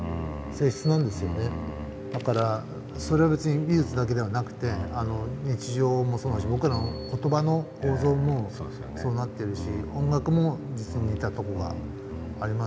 だからそれは別に美術だけではなくて日常もそうだし僕らの言葉の構造もそうなってるし音楽も実に似たとこがありますよね。